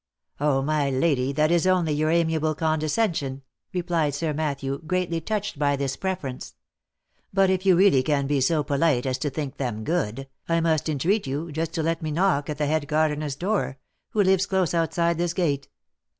" Oh ! my lady, that is only your amiable condescension," replied Sir Matthew, greatly touched by this preference. " But if you really can be so polite as to think them good, I must entreat you just to let me knock at the head gardener's door, who lives close outside this gate.